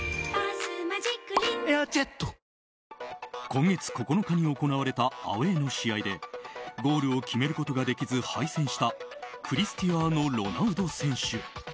今月９日に行われたアウェーの試合でゴールを決めることができず敗戦したクリスティアーノ・ロナウド選手。